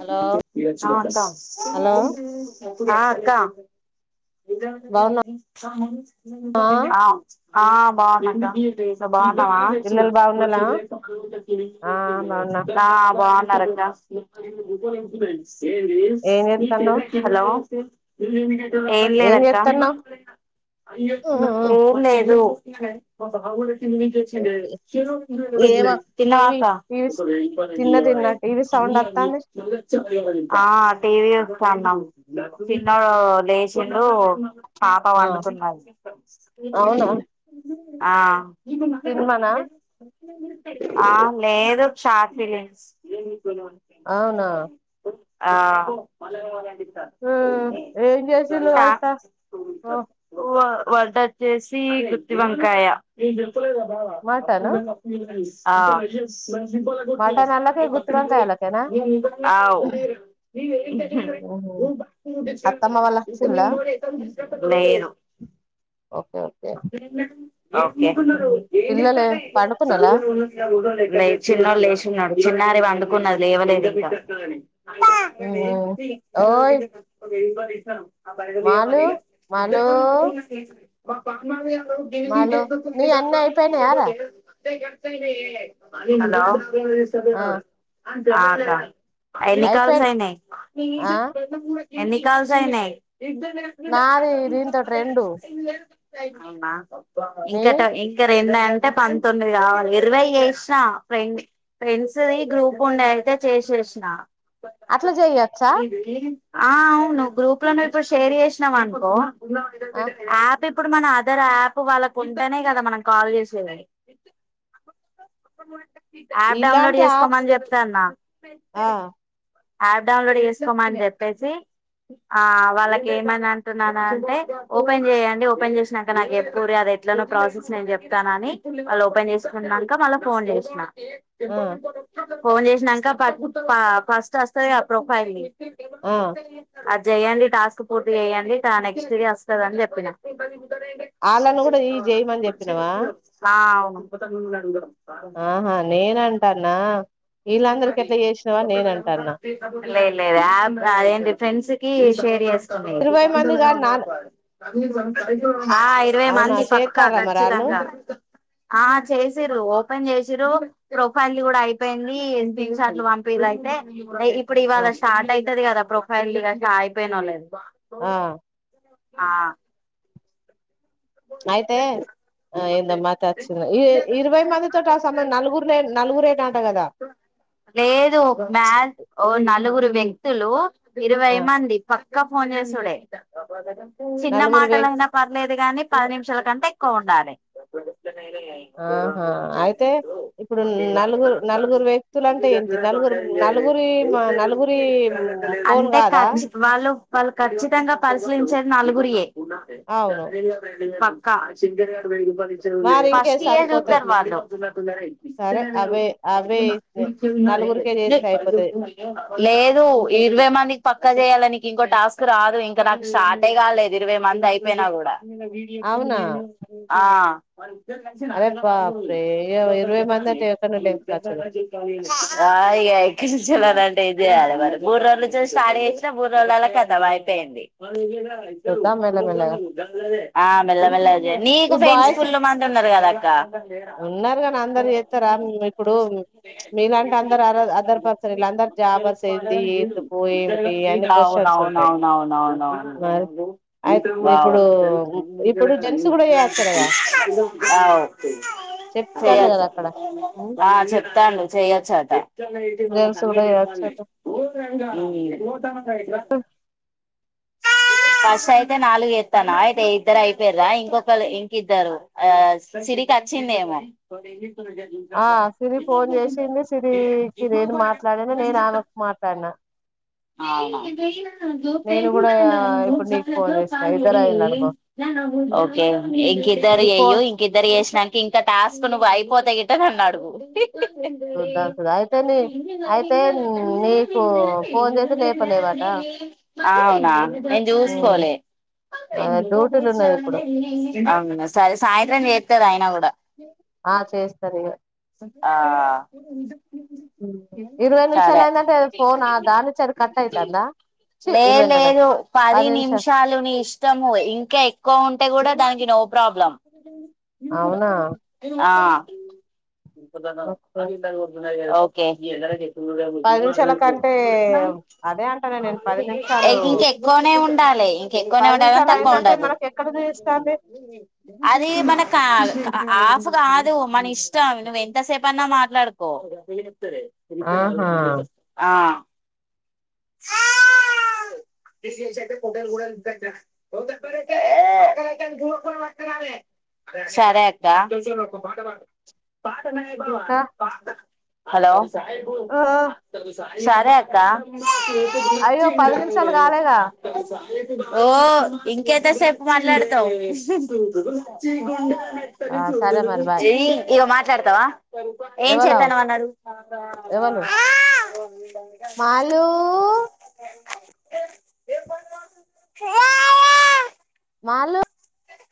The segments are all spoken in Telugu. హలో హలో ఆ అక్క ఆ అక్క బాగున్నావా ఆ ఆ బావున్నా కా [unintelligible] బావున్నా పిల్లలు బాగున్నాలా ఆ బాగున్నా ఆ బావున్నా ఏం చేత్తన్నావ్ హలో ఏం లేదక్క ఏం లేదు [unintelligible] ఏమో తిన్నావా టీవీ అక్కా టీవీ తిన్న తిన్నా టీవీ సౌండ్ వత్తాంది చిన్న లేచి చున్ను పాప ఆ పండుకున్నది అవునా ఆ తిన్మనా ఆ లేదు షా ఫీల్లిమ్స్ అవునా ఆ ఆ ఏం చేస్ టీలు వాడత వంట వచ్చేసి గుత్తి వంకాయ నచ్చలేద్ కాద మటను అప్పుందని అప్పు మటన్ ఆళ్ళకే గుత్తి వంకాయ ఆళ్ళకేనా [unintelligible] ఆ అవ్ హ్మ్ హు అత్తమ్మ వాళ్ళ వచ్చిల్లా లేరు ఓకే ఓకే పిల్లలు పడుకున్నలా లే చిన్నోడు లేస్నాడు చిన్నారి వాడ్ని పడుకున్నది లేవలేదు ఇంకా ఓయ్ మాలు మాలు హలో మాలో నీ అన్నీ అయిపోయినాయారా గడతానే అ సభ ఆ అ ఎన్ని కాల్స అయిపోయి అయినాయి ఆ న్ని కాల్సయనా నాది ఇదిీని తటి రెండు మా నీ ఇంకట ఎంకర ఎంటే పంతొమ్మిది కావాలి ఇరవై చేసిన ఫ్రెం ఫ్రెండ్స్ది గ్రూప్ ఉండే అయితే చేసేసిన అట్లా జయచ్చా ఆ అవును్వు గ్రూప్ లో నువ్వు ఇప్పుడు షేర్ చేసినావ అనుకో ఆ [inaudible] ఇప్పుడు మన అదర్ యాప్ వాళ్ళకు ఉంటేనే కదా మనం కాల్ చేసేది యాప్ డౌన్లోడ్ ఇలాంటి ఆప్ చేసుకోమని చెప్తాన్నా ఆ యాప్ డౌన్లోడ్ చేసుకోమని చెప్పేసి ఆ వాళ్ళకి ఏమని అంటున్నాను అంటే ఓపెన్ చేయండి ఓపెన్ చేసినాక నాకు ఎప్పుడో అది ఎట్లనో ప్రాసెస్ నేనుచెప్తానని వాళ్ళు ఓపెన్ చేసుకున్నాక మళ్ళీ ఫోన్ చేసిన ఆ [unintelligible] ఫోన్ చేసినాక ఫస్ట్ వస్తుంది ఆ ప్రొఫైల్ ని ఆ చెయ్యడి టాస్క్ పూర్తి చెయ్యడి నెక్స్ట్ ఇ వస్తుందని చెప్పినా వాళ్ళను కూడా ఈ చేయమని చెప్పినవా ఇ వావ్ [unintelligible] ఆహా నేనంటన్నా లేదు లేదు యాప్ ఏం చూ ఫ్రెండ్స్కి షేర్ చేస్ ఇరవై మంది కాదు నా ఆ ఇరవై అవునా మంది పక్కా చేస్తారా మరి వాళ్ళు ఖచ్చితంగా ఆ చేసిరు ఓపెన్ చేస్ జీ రో ప్రొఫైల్ కూడా అ యి పోయింది తీన్ చార్లు పంపిది అయితే ఇప్పుడు ఆ ఇవాళ స్టార్ట్ అయితది కదా ప్రొఫైల్ ది న లేదు ఆ ఆ అయితే ఆ ఇందమాత్ వచ్చి ఇ ఇరవై మంది తోటి ఆ సమా నలుగురులే నలుగురే గాఅంట కదా. లేదు మ్యాచ్ ఓ నలుగురు వ్యక్తులు ఇరవై ఆ మంది పక్ క్క ఫోన్ చేసుడే చిన్న నలుగురు వే మాటలైనా పర్లేద్ దిగానీ పది నిమిషాల కంటే ఎక్కువ ఉండాలే ఆహా అయితే ఇప్పుడు నలుగురు నలుగురు వ్యక్తులు అంటే ఏంటి నలుగురు నలుగురి మా నలుగురి ఫోన్ అంటే కాదా. ఖర్చు వాళ్ళు వాళ్ళు ఖచ్చితంగా పరిశీలించేది నలుగురియే అవును పక్కా మరి ఇంకే ఫస్ట్ ఇవే సరిపోతాయి చూత్తారు వాళ్ళు సరే అవే అవే ఇస్తే నలుగురికే చేస్తే అయిపోతది లేదు ఇరవై మందికి పక్ పక్క చేయాలి నీకు ఇంకో టాస్క్ రాదు ఇంకా నాకు స్టార్టే కాలేదు ఇరవై మంది అయిపోయినా కూడా అవునా ఆ మరి అరే బాప్రే ఇ- ఇరవై మంది అంటే ఎక్కడ [inaudible] లేవు ఇద ఖర్చులు అ మరి మూడు రోజుల నుంచి స్టార్ట్ చేసినా మూడు రోజుల అలా కదా అయిపోయింది [inaudible] చూద్దాం మెల్లమెల్లగా ఆ మెల్ల మెల్లద్ నీకు ఈ ఫ్రెండ్స్ బాయ్స్ స్కూల్లో మంది ఉన్నారు కదాక్క, ఉన్నారు కాని అందరు చేస్తారా మ్, ఇప్పుడు మీలాంటి అందరు అదర్ పర్సన్ వీళ్ళందరు జాబర్స్ ఏంది ఎందుకు ఏమిటి అన్ని అవును క్వశ్చన్స్ అవును ఉంటాయి అవును అవును అవును అవును అవ్, ఉమ్ ఇప్పుడు జెన్స్ చెప్తాండు కదా చెయచ్చు అక్కడ ఆ చెప్తాం చెయొచ్చు అట జెంట్స్ కూడా చేయచ్చట తంగటిఊ కర్స్ అయితే నాలుగు ఎత్తాయయితే తే ఇద్దరు అయిపోయ్రా ఇంకొకరు ఇంకద్దరు ఆ సిరికి వచ్చిందిమో ఆ సిరి ఫోన్ చేసింది సిరికి నేను మాట్లాడిన నేను ఆమెకు మాట్లాడినా అవునా నేను కూడా ఇప్పుడు నీకు ఫోన్ చేసినా ఇద్దరు అయి్యన అనుభావ్ ఓకే ఇంకిద్దరు చెయ ఫోన్ ఇంకిద్దరు చేసానికి ఇంకా టాస్క్ ను అయిపోతా గట్ట అన్నా అడుగు చూద్దాం చూద్దాం అయితే నీ అయితే నీకు ఫోన్ చేస్తే లేపలేవట అనా జూస్కోలే డ్యూటీలు ఉన్నది ఇప్పుడు అవునా స సాయంత్రం అయినా కూడా ఆ చేస్తారు ఇగ ఇరవై సరే నిమిషాలు అయిందంటే ఫోన్ దానిచ్చాడు కట్ అయితందా చి లే ఇరవై అంటనా లేదు పది నిమిషాలుని ఇష్టము ఇంకా ఎక్కువ ఉంటే కూడా దానికి నో ప్రాబ్లం అవునా ఇప్పధా ఓకే ఆంద ఓకే పది నిమిషాల కంటే అదే అంటాను నేను పది నిమిషాలు ఇంకెక్కువనే ఉండాలి. ఇంకెక్కువనే పది ఉండాలని నిమిషాలు తక్కువ అయిందంటే ఉండద్దు మనకి ఎక్కడ చూపిస్తాంది అది మన క్యా అస్ కాదు. మన ఇష్టం. నువ్వ ఎంతసేపన్నా మాట్లాడుకో ఆహా ఆ సరే అక్క [inaudible] ఇంకా హలో [inaudible] ఆ సరే అక్క [inaudible] అయ్యో పది నిమిషాలు కాలేగా ఓ ఇంకేంత సేపు మాట్లాడతావ్ ఆ సరే మరి బాయ్ ఏయ్ ఇగా మాట్లాడతావా ఏం ఎవలో చేతాన్నావ్ అనీ అడుగు మాళ్ళు [inaudible] మా అల్లు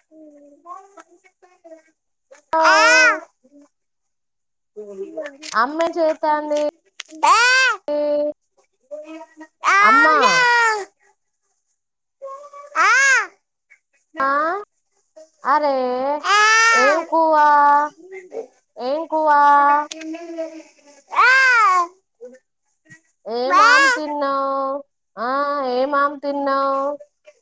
[inaudible] [inaudible] [inaudible] అమ్మే చేతాంది [inaudible] [inaudible] అమ్మా ఆ ఆ అరే ఏం కువా ఏం కువా [inaudible] ఏం ఆమ్ తిన్నావ్ ఆ ఏ ఆమ్ తిన్నావు.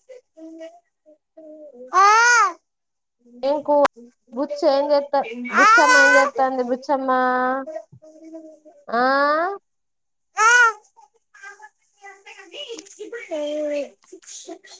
[inaudible] ఎంకువ బుచ్చి ఏం చెత్త బుచ్చమ్మ ఏం చేత్తంది. బుచ్చమ్మ ఆ [inaudible]